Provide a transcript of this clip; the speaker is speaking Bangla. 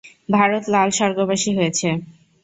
ভারত লাল স্বর্গবাসী হয়েছে।